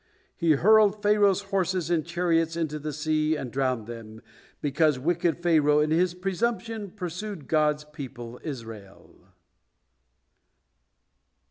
He hurled Pharaoh's horses and chariots into the sea, and drowned them, because wicked Pharaoh in his presumption pursued God's people, Israel."